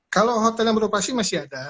kalau hotel yang beroperasi masih ada